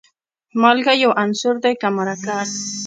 مالګه یو عنصر دی که مرکب.